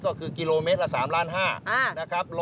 ก็คือกิโลเมตรละ๓๕๐๐นะครับ